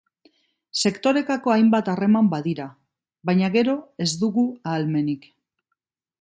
Sektorekako hainbat harreman badira, baina gero ez dugu ahalmenik.